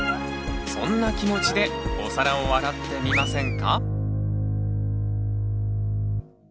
そんな気持ちでお皿を洗ってみませんか？